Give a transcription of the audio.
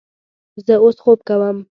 زه اوس خوب کوم